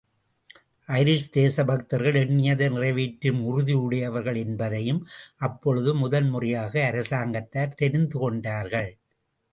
Irish தேசபக்தர்கள் எண்ணியதை நிறைவேற்றும் உறுதியுடையவர்கள் என்பதையும் அப்பொழுது முதன் முறையாக அரசாங்கத்தார் தெரிந்து கொண்டார்கள்.